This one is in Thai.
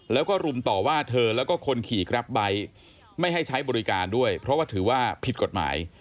แล้วก็รุมต่อว่าเธอแล้วก็คนขี่กรับไบท์ไม่ให้ใช้บริการด้วยเพราะว่าถือว่าผิดกฎหมาย